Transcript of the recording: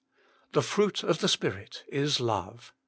"The fruit of the Spirit is love."